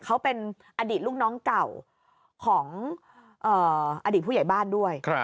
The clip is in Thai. เขาเป็นอดีตลูกน้องเก่าของอดีตผู้ใหญ่บ้านด้วย